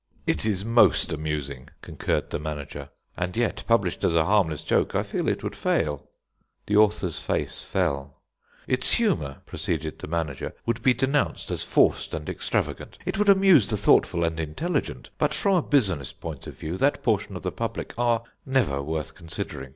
"It is most amusing," concurred the manager; "and yet published as a harmless joke, I feel it would fail." The author's face fell. "Its humour," proceeded the manager, "would be denounced as forced and extravagant. It would amuse the thoughtful and intelligent, but from a business point of view that portion of the public are never worth considering.